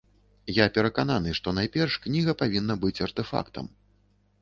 Я перакананы, што найперш кніга павінна быць артэфактам.